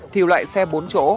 thì loại xe bốn chỗ